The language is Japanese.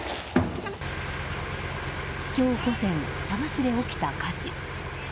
今日午前、佐賀市で起きた火事。